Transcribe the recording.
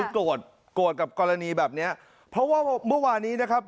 โกรธโกรธกับกรณีแบบเนี้ยเพราะว่าเมื่อวานี้นะครับ